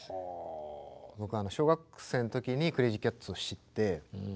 僕小学生の時にクレイジーキャッツを知って。